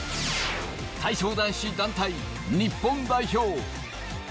体操男子団体日本代表。